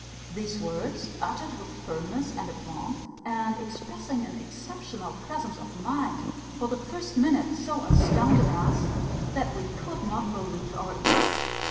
These words, uttered with firmness and aplomb, and expressing an exceptional presence of mind, for the first minute so astounded us that we could not believe our ears.